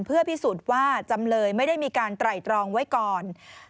เพื่อพิสูจน์ว่าจำเลยไม่ได้มีการไตรตรองไว้ก่อน